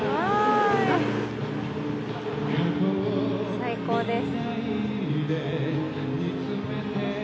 最高です。